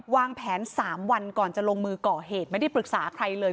วางแผน๓วันก่อนจะลงมือก่อเหตุไม่ได้ปรึกษาใครเลย